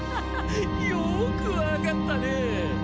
よくわかったね。